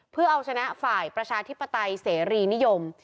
เพื่อเอาชนะฝ่ายประชาธิปไตยเสรีนิยม